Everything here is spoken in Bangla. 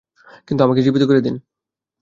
কিন্তু আমাকে জীবিত করে দিন।